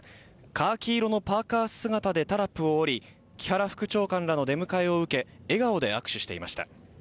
カーキ色のパーカー姿でタラップを降り木原副長官らの出迎えを受け笑顔で握手していました。